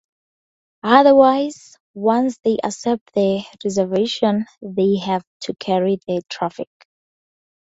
Otherwise, once they accept the reservation they have to carry the traffic.